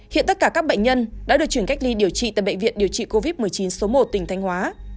hiện tất cả các bệnh nhân đã được chuyển cách ly điều trị tại bệnh viện điều trị covid một mươi chín số một tỉnh thanh hóa